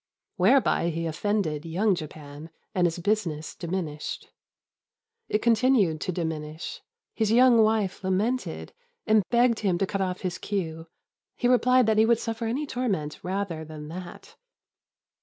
Whereby he offended young Japan, and his business diminished. It continued to diminish. His young wife lamented, and begged him to cut off his queue. He replied that he would suffer any torment rather than that.